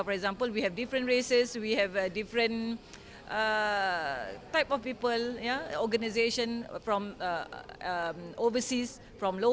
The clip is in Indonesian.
mereka mencari pengetahuan tentang pengelolaan tersebut